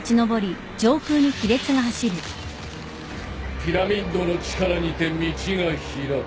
ピラミッドの力にて道が開く。